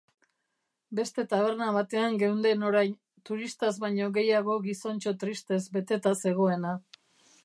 Beste taberna batean geunden orain, turistaz baino gehiago gizontxo tristez beteta zegoena.